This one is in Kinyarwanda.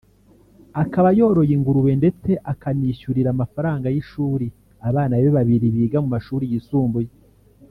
akaba yoroye ingurube ndetse akanishyurira amafaranga y’ishuri abana be babiri biga mu mashuri yisumbuye